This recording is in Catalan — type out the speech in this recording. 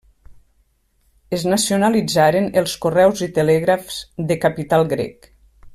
Es nacionalitzaren els Correus i Telègrafs de capital grec.